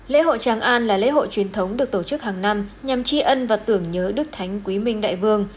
lễ hội tràng an là lễ hội truyền thống được tổ chức hàng năm nhằm tri ân và tưởng nhớ đức thánh quý minh đại vương